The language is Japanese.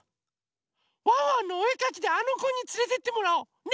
「ワンワンのおえかき」であのこにつれてってもらおう！ね！